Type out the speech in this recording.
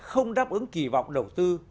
không đáp ứng kỳ vọng đầu tư